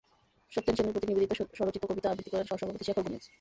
সত্যেন সেনের প্রতি নিবেদিত স্বরচিত কবিতা আবৃত্তি করেন সহসভাপতি শেখর গোমেজ।